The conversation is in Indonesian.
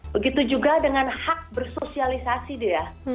begitu juga dengan hak bersosialisasi dia